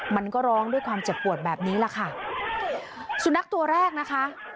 มันก็ร้องด้วยความเจ็บปวดแบบนี้แหละค่ะสุนัขตัวแรกนะคะ